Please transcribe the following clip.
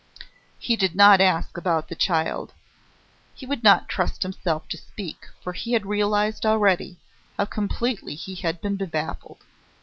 He did not ask about the child. He would not trust himself to speak, for he had realised already how completely he had been baffled.